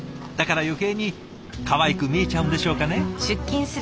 だから余計にかわいく見えちゃうんでしょうかね？